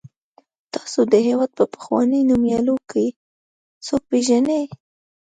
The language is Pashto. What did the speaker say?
تاسې د هېواد په پخوانیو نومیالیو کې څوک پیژنئ.